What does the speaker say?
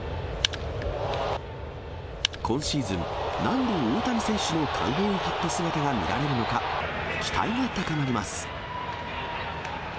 今シーズン、何度、大谷選手のカウボーイハット姿が見られるのか、期待が高まります。